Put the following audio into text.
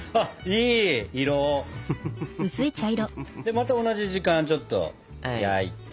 また同じ時間ちょっと焼いて。